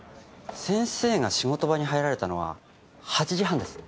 先生が仕事場に入られたのは８時半です。